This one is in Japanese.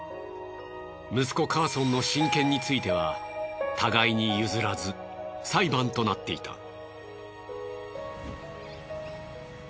息子カーソンの親権については互いに譲らず裁判となっていた。